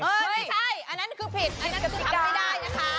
ไม่ใช่อันนั้นคือผิดอันนั้นคือทำไม่ได้นะคะ